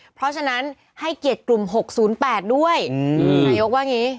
เพราะฉะนั้นให้เกียรติกลุ่ม๖๐๘ด้วยนายกว่าอย่างนี้